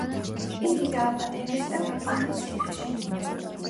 იგი დააპატიმრეს და გაგზავნეს ციხეში.